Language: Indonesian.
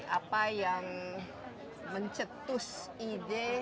apa yang mencetus ide